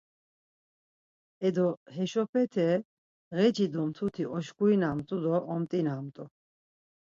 Edo, heşopete ğeci do mtuti oşkurinamt̆u do omt̆inamt̆u.